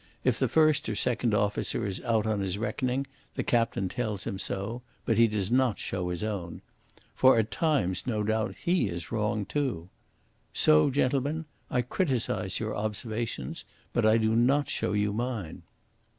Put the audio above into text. If the first or second officer is out in his reckoning, the captain tells him so, but he does not show his own. For at times, no doubt, he is wrong too. So, gentlemen, I criticise your observations, but I do not show you mine."